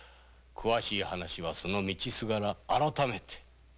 詳しい話は道すがら改めて。